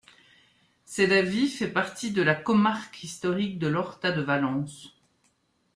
Sedaví fait partie de la comarque historique de l'Horta de Valence.